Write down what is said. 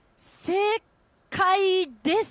正解です。